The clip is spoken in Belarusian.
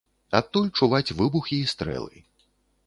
Адтуль чуваць выбухі і стрэлы.